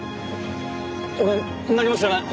俺何も知らない。